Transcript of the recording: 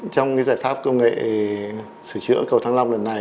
trong giải pháp công nghệ sửa chữa cầu thăng long lần này